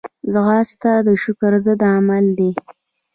ځغاسته د شکر ضد عمل دی